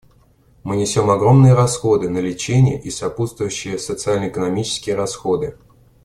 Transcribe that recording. Мы несем огромные расходы на лечение и сопутствующие социально-экономические расходы.